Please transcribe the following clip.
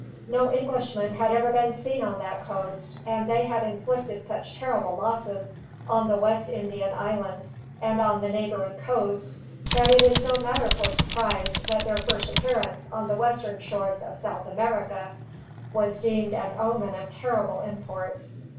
No Englishman had ever been seen on that coast, and they had inflicted such terrible losses, on the West Indian Islands and on the neighboring coast, that it is no matter for surprise that their first appearance on the western shores of South America was deemed an omen of terrible import.